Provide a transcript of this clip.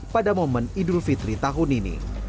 pada momen idul fitri tahun ini